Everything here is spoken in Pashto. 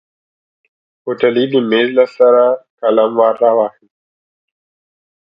هوټلي د ميز له سره قلم ور واخيست.